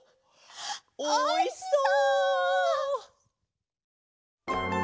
おいしそう！